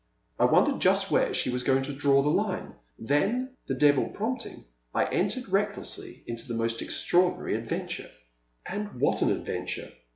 I wondered just where she was going to draw the line. Then, the devil prompting, I entered recklessly into this most extraordinary adven ture. And what an adventure